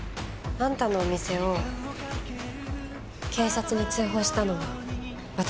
あんたのお店を警察に通報したのは私だよ。